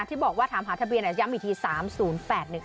ที่บอกว่าถามหาทะเบียนเนี่ยย้ำอีกทีสามศูนย์แปดหนึ่งอ่ะ